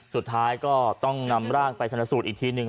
สุดท้ายก็ต้องนำร่างไปชนสูตรอีกทีหนึ่ง